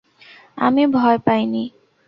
আমি ভয় পাইনি।